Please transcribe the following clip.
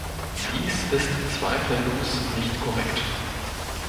Dies ist zweifellos nicht korrekt.